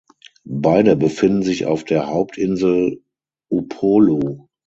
Beide befinden sich auf der Hauptinsel Upolu.